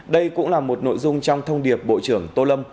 đây cũng là một nội dung trong thông điệp bộ trưởng tô lâm